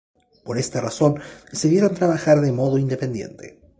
Por esta razón decidieron trabajar de modo independiente.